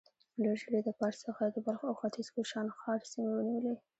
ډېر ژر يې د پارس څخه د بلخ او ختيځ کوشانښار سيمې ونيولې.